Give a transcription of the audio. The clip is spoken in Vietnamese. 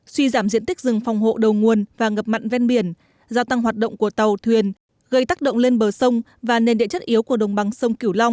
suy giảm diện tích rừng phòng hộ đầu nguồn và ngập mặn ven biển gia tăng hoạt động của tàu thuyền gây tác động lên bờ sông và nền địa chất yếu của đồng bằng sông cửu long